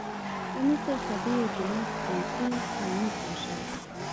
د مصر خدیو جناب پرنس حلمي پاشا.